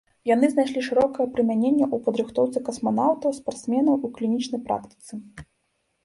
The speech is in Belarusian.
Яны знайшлі шырокае прымяненне ў падрыхтоўцы касманаўтаў, спартсменаў, у клінічнай практыцы.